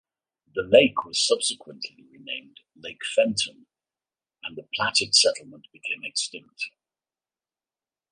The lake was subsequently renamed "Lake Fenton", and the platted settlement became extinct.